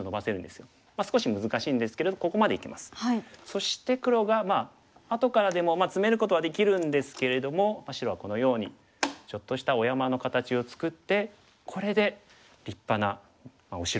そして黒が後からでもツメることはできるんですけれども白はこのようにちょっとしたお山の形を作ってこれで立派なお城ができましたね。